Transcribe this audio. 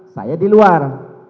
saya di luar